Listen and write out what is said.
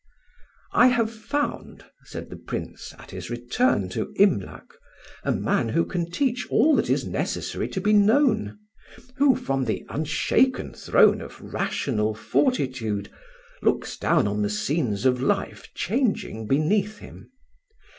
"I have found," said the Prince at his return to Imlac, "a man who can teach all that is necessary to be known; who, from the unshaken throne of rational fortitude, looks down on the scenes of life changing beneath him.